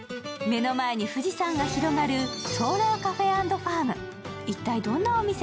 目の前に富士山が広がるソーラーカフェ＆ファーム。